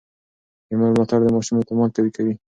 د مور ملاتړ د ماشوم اعتماد قوي کوي.